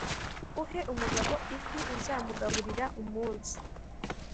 uhe umugabo ifi uzamugaburira umunsi ...